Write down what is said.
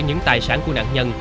cả những tài sản của nạn nhân